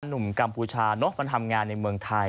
หนุ่มกัมพูชาน๋อมันทำงานในเมืองไทย